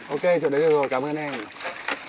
ok chỗ đấy được rồi cám ơn anh